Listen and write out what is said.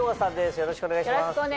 よろしくお願いします